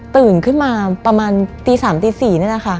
ตื่นขึ้นมาประมาณตีสามตีสี่นี่นะคะ